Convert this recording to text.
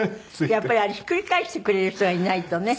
やっぱりあれひっくり返してくれる人がいないとね。